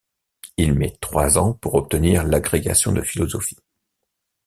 Il met trois ans pour obtenir l'agrégation de philosophie.